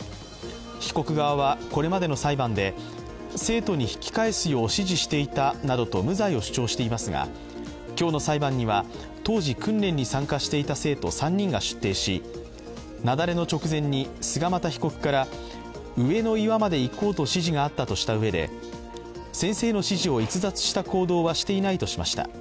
被告側は、これまでの裁判で生徒に引き返すよう指示していたなどと無罪を主張していますが今日の裁判には当時訓練に参加していた３人が出廷し雪崩の直前に、菅又被告から上の岩まで行こうと指示があったとしたうえで、先生の指示を逸脱した行動はしていないとしました。